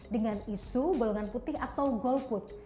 dengan isu golongan putih atau golput